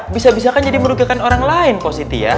bisa bisakan jadi merugikan orang lain positi ya